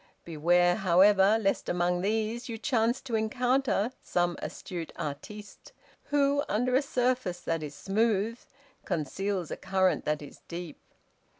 Beware, however, lest among these you chance to encounter some astute artiste, who, under a surface that is smooth, conceals a current that is deep.